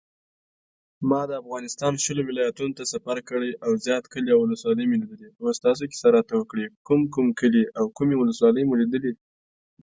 تاسې په مخکې لوست کې د ګرځندویي او د هغې د اقتصادي اهميت په اړه معلومات ترلاسه کړل.